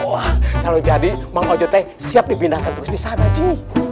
wah kalau jadi mang ojt siap dibindahkan terus di sana eji